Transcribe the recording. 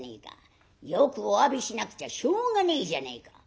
よくおわびしなくちゃしょうがねえじゃねえか」。